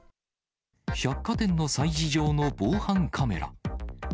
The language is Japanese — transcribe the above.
百貨店の催事場の防犯カメラ。